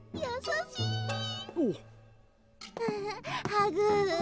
ハグ。